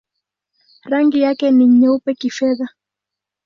Rangi yake ni nyeupe-kifedha.